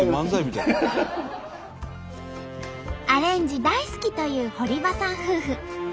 アレンジ大好きという堀場さん夫婦。